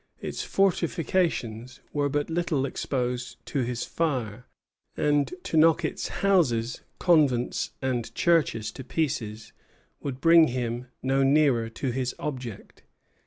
Its fortifications were but little exposed to his fire, and to knock its houses, convents, and churches to pieces would bring him no nearer to his object.